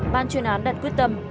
ban chuyên án đặt quyết tâm